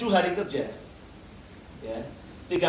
tujuh hari kerja